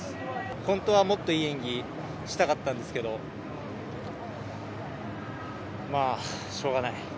本当はもっといい演技をしたかったんですけれど、まぁしょうがない。